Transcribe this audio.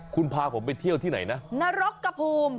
คุณพาผมไปเที่ยวที่ไหนนะนรกกระภูมิ